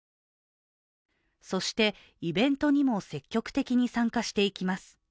そして、イベントにも積極的に参加していきます。